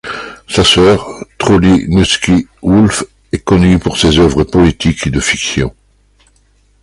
Sa sœur, Trolli Neutzsky-Wulff est connue pour ses œuvres poétiques et de fiction.